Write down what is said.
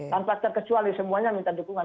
tanpa terkecuali semuanya minta dukungan